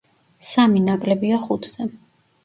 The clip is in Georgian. სამი ნაკლებია ხუთზე.